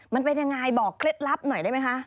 มันเป็นยังไงบอกเคล็ดลับหน่อยได้ไหมคะ